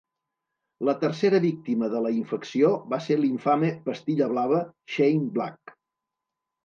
La tercera víctima de la infecció va ser l'infame "pastilla blava" Shane Black.